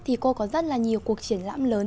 thì cô có rất là nhiều cuộc triển lãm lớn